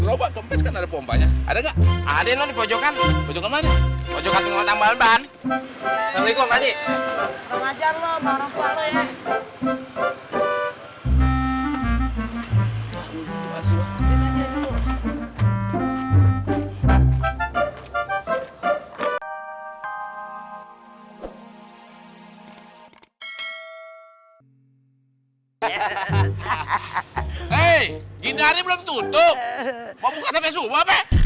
hai hai hai hey gini hari belum tutup mau buka sampai semua